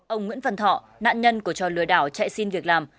ông nguyễn phần thọ nạn nhân của cho lừa đảo chạy xin việc làm